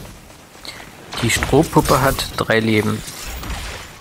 Die Strohpuppe hat drei Leben.